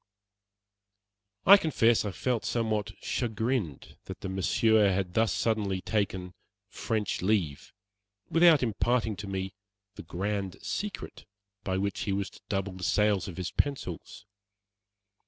I confess I felt somewhat chagrined that the Monsieur had thus suddenly taken "French leave" without imparting to me the "grand secret" by which he was to double the sales of his pencils.